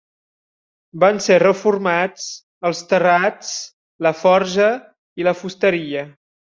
Van ser reformats els terrats, la forja i la fusteria.